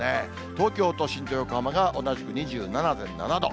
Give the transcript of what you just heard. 東京都心と横浜が同じく２７．７度。